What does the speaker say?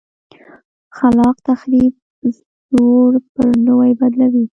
خلاق تخریب زوړ پر نوي بدلوي.